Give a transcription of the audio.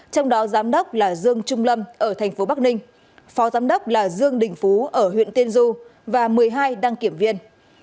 trong đó giám đốc là dương trung lâm ở thành phố bắc ninh phó giám đốc là dương đình phú ở huyện tiên du và một mươi hai đăng kiểm viên